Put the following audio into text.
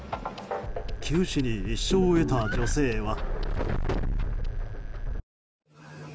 九死に一生を得た女性は。